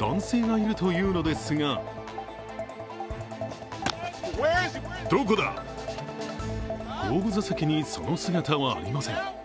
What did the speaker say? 男性がいるというのですが後部座席にその姿はありません。